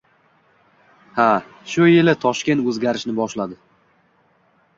— Ha, shu yili Toshkent oʻzgarishni boshladi.